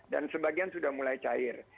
dan sebagian sudah mulai cair